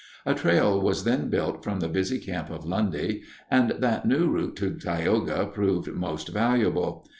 A trail was then built from the busy camp of Lundy, and that new route to Tioga proved most valuable.